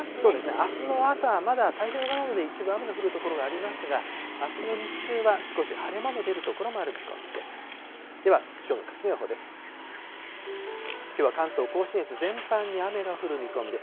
あすの朝はまだ、太平洋側は一部、雨の降る所がありますが、あすの日中は、少し晴れ間の出る所もある見込みです。